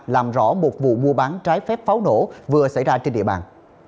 làm rõ một vụ mua bán trái phép pháo nổ vừa xảy ra trên địa bàn